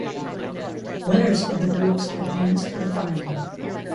Winners of the groups advanced to the final.